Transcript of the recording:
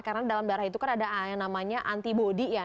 karena dalam darah itu kan ada yang namanya antibody